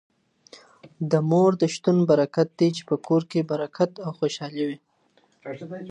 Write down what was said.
د مور د شتون برکت دی چي په کور کي برکت او خوشالي وي.